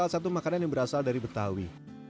salah satu makanan yang berasal dari betawi